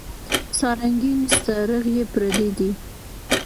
سارنګۍ نسته ږغ یې پردی دی